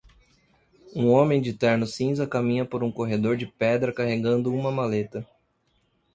Um homem de terno cinza caminha por um corredor de pedra carregando uma maleta.